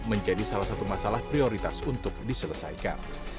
menjadi salah satu masalah prioritas untuk diselesaikan